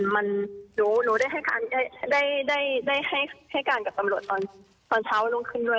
หนูได้ให้การกับตำรวจตอนเช้าลงขึ้นด้วย